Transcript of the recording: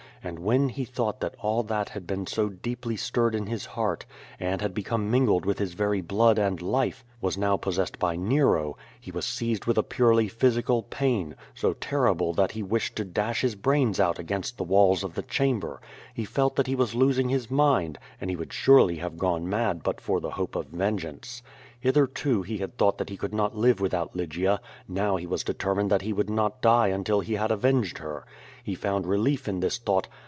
And when he thought that all that had so deeply stirred his heart, and had become mingled with his very blood and life, was now possessed by Nero, he was seized with a purely pliysical pain, so terrible that he wished to dash his brains out against the walls of the chamber. He felt that he was losing his mind, and he would surely have gone mad but for the ho])e of vengeance. Hitherto he had thought that he could not live without Lygia. Now he was determined that he would not die until he had avenged her. He found relief in this thought.